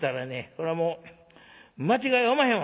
これはもう間違いおまへんわ」。